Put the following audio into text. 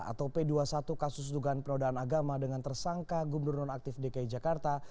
atau p dua puluh satu kasus dugaan penodaan agama dengan tersangka gubernur nonaktif dki jakarta